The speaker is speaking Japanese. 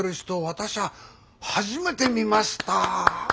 私は初めて見ました。